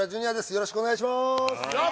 よろしくお願いしますよっ！